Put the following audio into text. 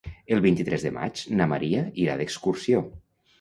El vint-i-tres de maig na Maria irà d'excursió.